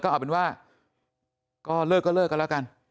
เอาเป็นว่าก็เลิกก็เลิกกันแล้วกัน